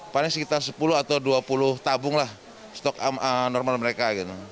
paling sekitar sepuluh atau dua puluh tabung lah stok normal mereka